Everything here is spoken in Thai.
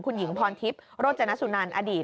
คุณหญิงพรทิพย์โรจนสุนันอดีต